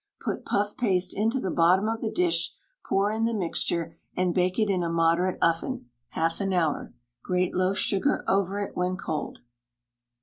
Put puff paste into the bottom of the dish, pour in the mixture, and bake it in a moderate oven, half an hour. Grate loaf sugar over it when cold.